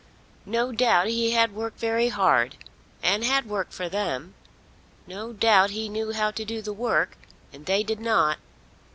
No doubt he had worked very hard, and had worked for them. No doubt he knew how to do the work, and they did not.